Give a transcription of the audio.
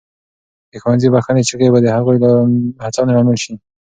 د ښوونځي بخښنې چیغې به د هڅونې لامل سي.